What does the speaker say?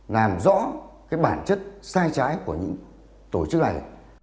làm rõ cái bản chất sai trái của những tổ chức này